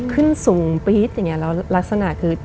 ขึ้นสูงปี๊ดอย่างเงี้แล้วลักษณะคือ